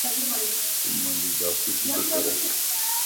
تون مانجي جاسوسي تو ڪرين؟